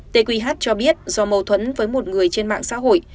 t q h cho biết do mâu thuẫn với một người trên mạng xã hội